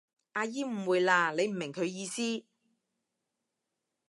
阿姨誤會喇，你唔明佢意思？